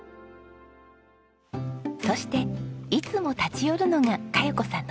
そしていつも立ち寄るのが香葉子さんの実家です。